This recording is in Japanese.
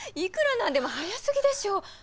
いくらなんでも早すぎでしょ。